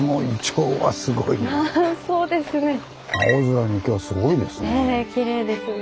青空に今日はすごいですね。